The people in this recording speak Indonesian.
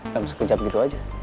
ya sekejap gitu aja